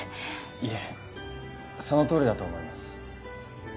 いえそのとおりだと思います。